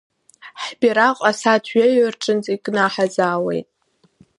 Ҳбираҟ асааҭ жәаҩа рҿынӡа икнаҳазаауеит.